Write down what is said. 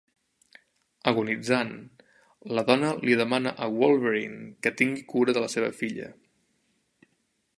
Agonitzant, la dona li demana a Wolverine que tingui cura de la seva filla.